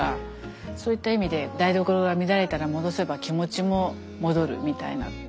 そういった意味で台所が乱れたから戻せば気持ちも戻るみたいな。